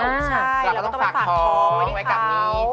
ใช่เราก็ต้องฝากท้องไว้กับนี้